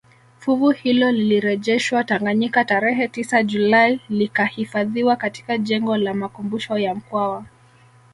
Fuvu hilo lilirejeshwa Tanganyika tarehe tisa Julai likahifadhiwa katika jengo la makumbusho ya Mkwawa